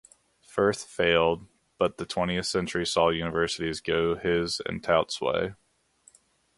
Firth failed but the twentieth century saw universities go his and Tout's way.